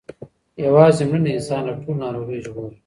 یوازې مړینه انسان له ټولو ناروغیو ژغوري.